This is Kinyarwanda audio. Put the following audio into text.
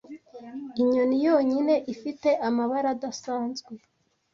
inyoni yonyine ifite amabara adasanzwe